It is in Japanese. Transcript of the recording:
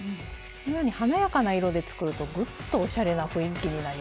このように華やかな色で作るとグッとおしゃれな雰囲気になりますよ。